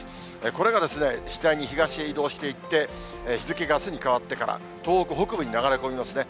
これが次第に東へ移動していって、日付があすに変わってから、東北北部に流れ込みますね。